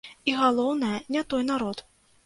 І, галоўнае, не той народ.